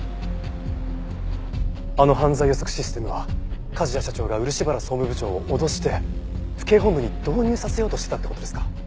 あの犯罪予測システムは梶谷社長が漆原総務部長を脅して府警本部に導入させようとしてたって事ですか？